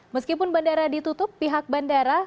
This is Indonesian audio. meskipun bandara ditutup pihak bandara